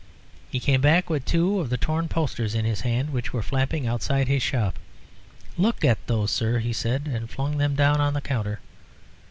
He came back with two of the torn posters in his hand which were flapping outside his shop. "Look at those, sir," he said, and flung them down on the counter.